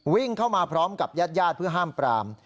วิ่งเข้ามาพร้อมกับญาติญาติเพื่อห้ามปราม